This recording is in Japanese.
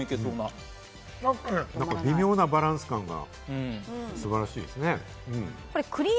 微妙なバランス感が素晴らしいですね。